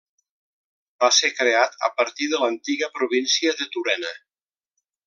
Va ser creat a partir de l'antiga província de Turena.